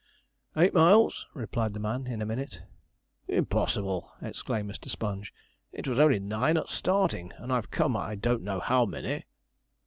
'Eight miles,' replied the man, in a minute. 'Impossible!' exclaimed Mr. Sponge. 'It was only nine at starting, and I've come I don't know how many.'